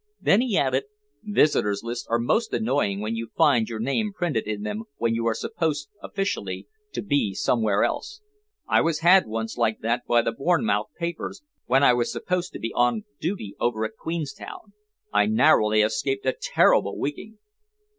Then he added: "Visitors' lists are most annoying when you find your name printed in them when you are supposed officially to be somewhere else. I was had once like that by the Bournemouth papers, when I was supposed to be on duty over at Queenstown. I narrowly escaped a terrible wigging."